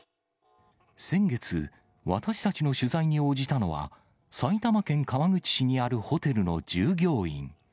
先月、私たちの取材に応じたのは、埼玉県川口市にあるホテルの従業員。